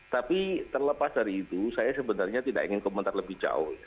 tapi terlepas dari itu saya sebenarnya tidak ingin komentar lebih jauh